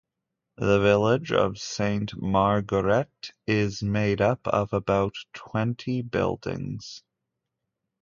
The village of Sainte-Marguerite is made up of about twenty buildings.